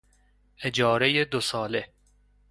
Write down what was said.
اجارهی دوساله